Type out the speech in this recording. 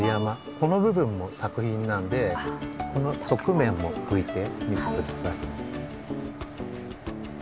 この部分も作品なんでこの側面もふいてみてください。